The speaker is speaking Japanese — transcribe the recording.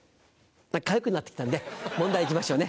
かゆくなって来たんで問題行きましょうね。